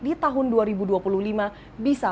di tahun dua ribu dua puluh lima bisa